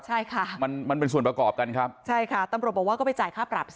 ใช่ค่ะมันมันเป็นส่วนประกอบกันครับใช่ค่ะตำรวจบอกว่าก็ไปจ่ายค่าปรับสิ